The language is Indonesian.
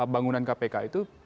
bangunan kpk itu